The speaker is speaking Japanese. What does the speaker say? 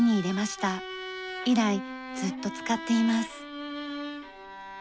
以来ずっと使っています。